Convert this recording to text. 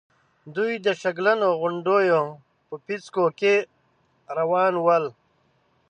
دوی د شګلنو غونډېو په پيڅکو کې روان ول.